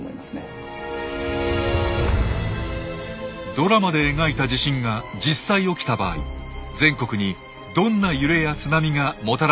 ドラマで描いた地震が実際起きた場合全国にどんな揺れや津波がもたらされるのか。